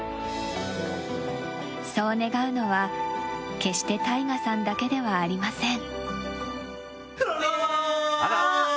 そう願うのは、決してＴＡＩＧＡさんだけではありません。